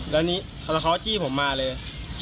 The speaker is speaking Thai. แล้วนี่แล้วเขาก็จี้ผมมาเลย